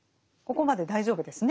ここまで大丈夫ですね。